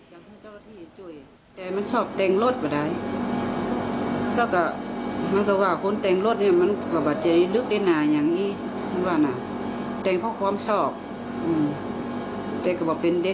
เรื่องจำนวดเกาะมีอีกพวกเราจะเรียบร้อยเพราะว่าได้ส่งเฮียนน์มาได้เลี่ยงมาตั้งแต่หน่อย